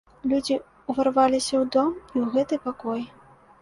Людзі ўварваліся ў дом і ў гэты пакой.